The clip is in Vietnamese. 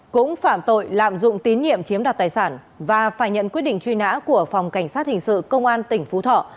cũng phạm tội lạm dụng tín nhiệm chiếm đoạt tài sản và phải nhận quyết định truy nã của phòng cảnh sát hình sự công an tỉnh phú thọ